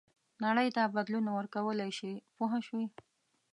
نړۍ ته بدلون ورکولای شي پوه شوې!.